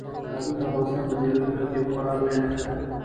کابل د افغانستان د ملي هویت یوه خورا لویه نښه ده.